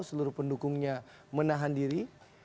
seluruh pendukungnya menahan diri